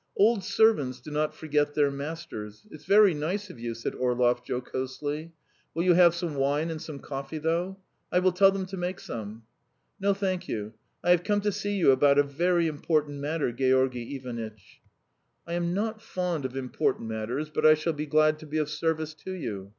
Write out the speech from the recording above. "Old servants do not forget their masters. ... It's very nice of you," said Orlov jocosely. "Will you have some wine and some coffee, though? I will tell them to make some." "No, thank you. I have come to see you about a very important matter, Georgy Ivanitch." "I am not very fond of important matters, but I shall be glad to be of service to you.